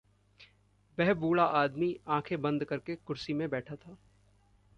वह बूढ़ा आदमी आँखें बंद करके कुरसी में बैठा था।